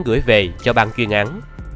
gửi về cho ban chuyên án